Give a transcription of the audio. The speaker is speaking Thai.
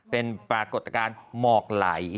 เป็นปรากฏการณ์หมอกไหล